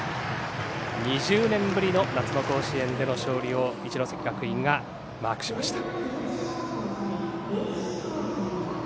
２０年ぶりの夏の甲子園での勝利を一関学院がマークしました。